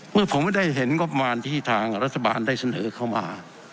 เมื่อผมไม่ได้เห็นงบประมาณที่ทางรัฐบาลได้เสนอเข้ามา